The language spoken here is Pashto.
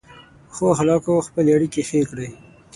په ښو اخلاقو خپلې اړیکې ښې کړئ.